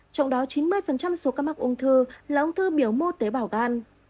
trong đó chín mươi số ca mắc ung thư là ung thư biểu mô tế bào gan